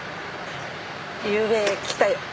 ゆうべ来たよ